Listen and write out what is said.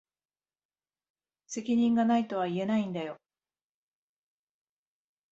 責任が無いとは言えないんだよ。